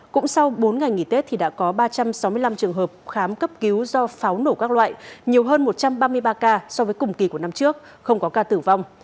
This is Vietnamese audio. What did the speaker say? cũng sau bốn ngày nghỉ tết thì đã có ba trăm sáu mươi năm trường hợp khám cấp cứu do pháo nổ các loại nhiều hơn một trăm ba mươi ba ca so với cùng kỳ của năm trước không có ca tử vong